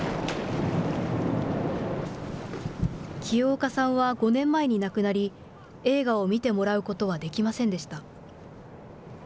清岡さんは５年前に亡くなり映画を見てもらうことはできませんでした。